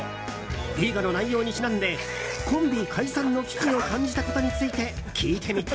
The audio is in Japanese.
映画の内容にちなんでコンビ解散の危機を感じたことについて聞いてみた。